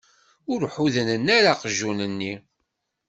Ur ḥudren ara aqjun-nni?